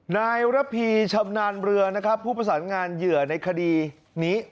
นายระพีชำนาญเรือนะครับผู้ประสานงานเหยื่อในคดีนี้